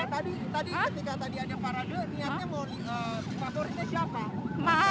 tadi ketika tadi ada para de niatnya mau di favoritnya siapa